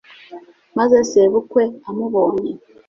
maze sebukwe amubonye